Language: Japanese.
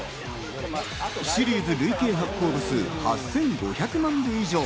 シリーズ累計発行部数８５００万部以上。